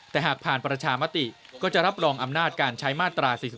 แต่หากผ่านประชามติก็จะรับรองอำนาจการใช้มาตรา๔๔